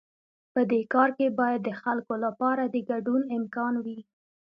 په دې کار کې باید د خلکو لپاره د ګډون امکان وي.